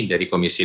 dari komisi enam